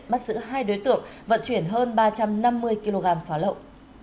bắt giữ hai đối tượng vận chuyển hơn ba trăm năm mươi kg pháo lậu